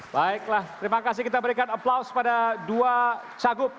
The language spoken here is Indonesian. baiklah terima kasih kita berikan aplaus pada dua cagup